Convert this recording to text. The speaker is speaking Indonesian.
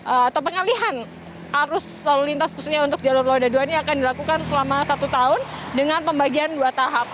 atau pengalihan arus lalu lintas khususnya untuk jalur roda dua ini akan dilakukan selama satu tahun dengan pembagian dua tahap